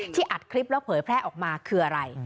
อัดคลิปแล้วเผยแพร่ออกมาคืออะไร